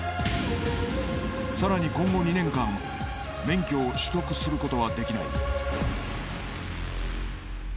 さらに今後２年間免許を取得することはできない